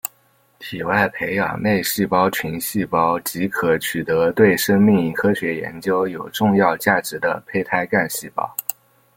体外培养内细胞群细胞即可取得对生命科学研究有重要价值的胚胎干细胞